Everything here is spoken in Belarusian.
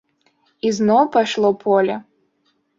І зноў пайшло поле.